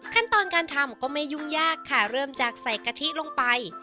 ขั้นตอนการทำก็ไม่ยุ่งยากค่ะเริ่มจากใส่กะทิลงไป